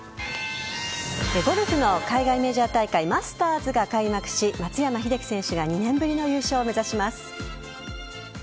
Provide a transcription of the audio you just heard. ゴルフの海外メジャー大会マスターズが開幕し松山英樹選手が２年ぶりの優勝を目指します。